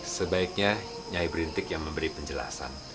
sebaiknya nyai berintik yang memberi penjelasan